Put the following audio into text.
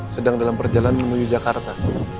sedang dalam perjalanan menuju jakarta